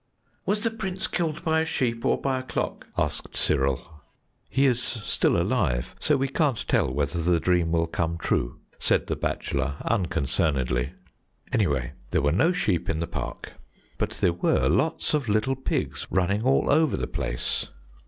"Was the Prince killed by a sheep or by a clock?" asked Cyril. "He is still alive, so we can't tell whether the dream will come true," said the bachelor unconcernedly; "anyway, there were no sheep in the park, but there were lots of little pigs running all over the place."